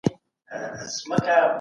که تمرین تکرار سي، تېروتنه دوام نه کوي.